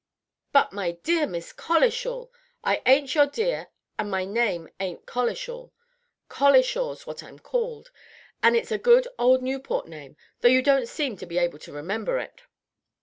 "But, my dear Miss Collishall " "I ain't your dear, and my name ain't Collishall. Colishaw's what I'm called; and it's a good old Newport name, though you don't seem to be able to remember it."